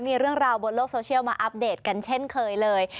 มีเรื่องราวบนโลกโซเชียลมาอัปเดตกันเช่นเคยเลย